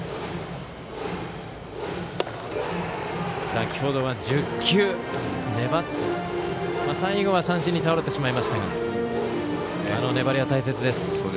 先程は１０球粘って最後は三振に倒れてしまいましたがあの粘りは大切です。